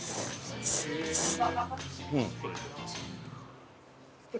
うん。